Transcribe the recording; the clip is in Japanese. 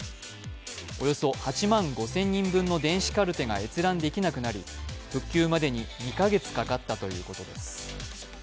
およそ８万５０００人分の電子カルテが閲覧できなくなり、復旧までに２か月かかったということです。